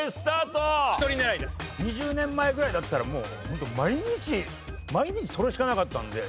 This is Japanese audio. ２０年前ぐらいだったらもうホント毎日毎日それしかなかったんで。